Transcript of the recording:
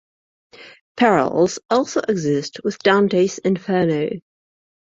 Parallels also exist with Dante's "Inferno".